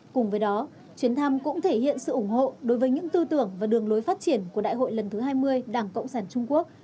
cùng với đó chuyến thăm cũng thể hiện sự ủng hộ đối với những tư tưởng và đường lối phát triển của đại hội lần thứ hai mươi đảng cộng sản trung quốc